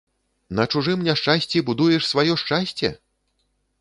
На чужым няшчасці будуеш сваё шчасце?